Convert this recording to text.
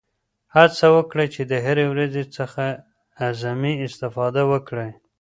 هڅه وکړئ چې د هرې ورځې څخه اعظمي استفاده وکړئ.